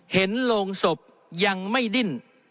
เห็นโลงศพยังไม่ดิ้น